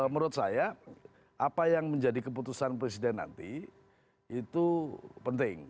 menurut saya apa yang menjadi keputusan presiden nanti itu penting